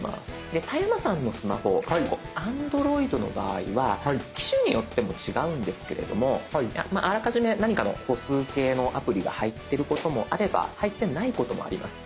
で田山さんのスマホアンドロイドの場合は機種によっても違うんですけれどもあらかじめ何かの歩数計のアプリが入ってることもあれば入ってないこともあります。